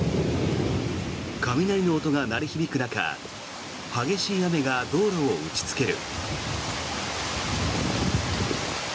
雷の音が鳴り響く中激しい雨が道路を打ちつける。